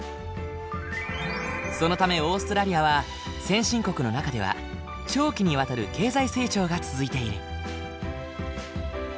そのためオーストラリアは先進国の中では長期にわたる経済成長が続いている。